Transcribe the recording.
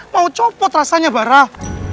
mau copot rasanya barah